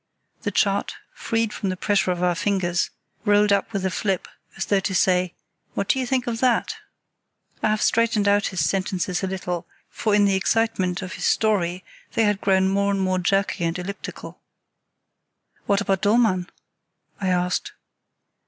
The chart, freed from the pressure of our fingers, rolled up with a flip, as though to say, "What do you think of that?" I have straightened out his sentences a little, for in the excitement of his story they had grown more and more jerky and elliptical. "What about Dollmann?" I asked.